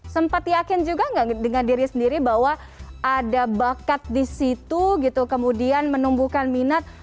sempat yakin juga nggak dengan diri sendiri bahwa ada bakat di situ gitu kemudian menumbuhkan minat